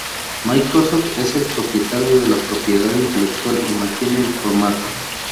Microsoft es el propietario de la propiedad intelectual y mantiene el formato.